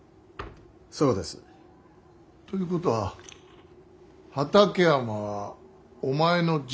そうです。ということは畠山はお前の爺様の敵。